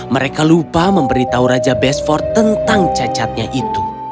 mereka lupa memberitahu raja besford tentang cacatnya itu